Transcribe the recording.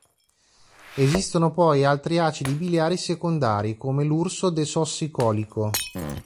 Esistono poi altri acidi biliari secondari, come l'ursodesossicolico.